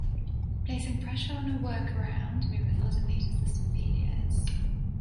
Placing pressure on a workaround may result in later system failures.